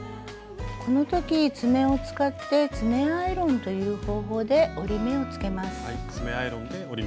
この時爪を使って「爪アイロン」という方法で折り目をつけます。